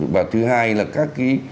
và thứ hai là các cái